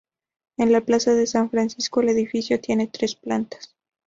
En la plaza de San Francisco el edificio tiene tres plantas.